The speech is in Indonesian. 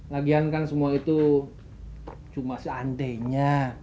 lagian kan semua itu cuma seandainya